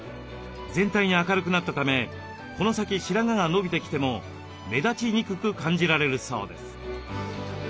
全体に明るくなったためこの先白髪が伸びてきても目立ちにくく感じられるそうです。